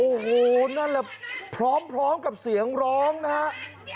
โอ้โหนั่นแหละพร้อมกับเสียงร้องนะครับ